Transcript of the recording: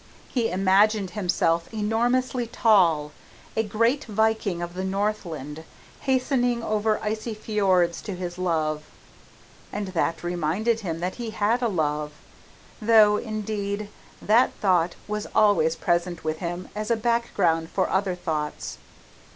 He imagined himself enormously tall a great Viking of the Northland, hastening over icy fiords to his love. And that reminded him that he had a love though, indeed, that thought was always present with him as a background for other thoughts.